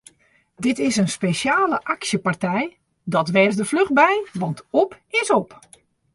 Dit is in spesjale aksjepartij, dat wês der fluch by want op is op!